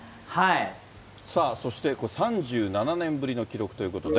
そしてこれ、３７年ぶりの記録ということで。